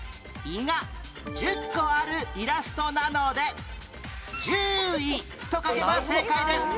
胃が１０個あるイラストなので「獣医」と書けば正解です